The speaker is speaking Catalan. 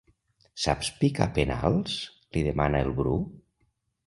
Saps picar penals? —li demana el Bru.